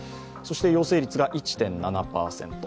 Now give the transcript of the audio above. そして陽性率が１．７％。